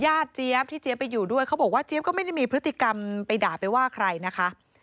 เจี๊ยบที่เจี๊ยบไปอยู่ด้วยเขาบอกว่าเจี๊ยบก็ไม่ได้มีพฤติกรรมไปด่าไปว่าใครนะคะ